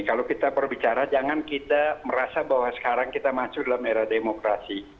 kalau kita berbicara jangan kita merasa bahwa sekarang kita masuk dalam era demokrasi